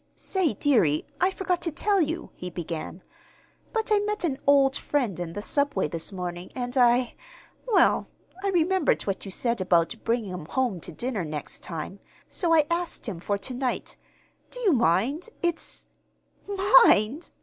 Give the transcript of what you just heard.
"Say, dearie, I forgot to tell you," he began, "but I met an old friend in the subway this morning, and I well, I remembered what you said about bringing 'em home to dinner next time, so I asked him for to night. Do you mind? It's " "Mind?